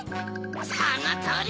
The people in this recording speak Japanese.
そのとおり！